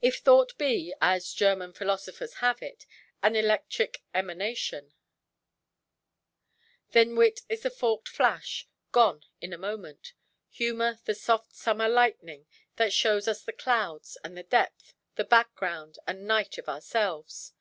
If thought be (as German philosophers have it) an electric emanation, then wit is the forked flash, gone in a moment; humour the soft summer lightning that shows us the clouds and the depth, the background and night of ourselves.